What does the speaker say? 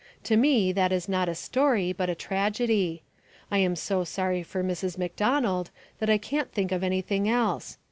To me that is not a story, but a tragedy. I am so sorry for Mrs. MacDonald that I can't think of anything else.